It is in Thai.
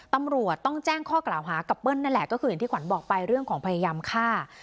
ตำรวจต้องแจ้งข้อกล่าวหากับเปิ้ลนั่นแหละก็คืออย่างที่ขวัญบอกไปเรื่องของพยายามฆ่า